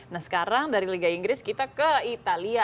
nah sekarang dari liga inggris kita ke italia